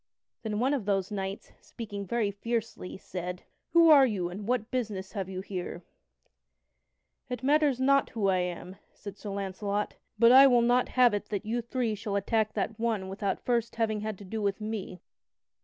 Then one of those knights, speaking very fiercely, said: "Who are you, and what business have you here?" "It matters not who I am," said Sir Launcelot, "but I will not have it that you three shall attack that one without first having had to do with me."